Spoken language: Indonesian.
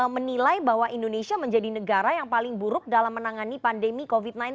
menilai bahwa indonesia menjadi negara yang paling buruk dalam menangani pandemi covid sembilan belas